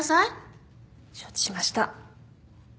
承知しました。